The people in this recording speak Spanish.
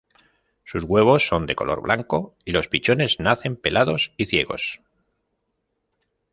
Sus huevos son de color blanco, y los pichones nacen pelados y ciegos.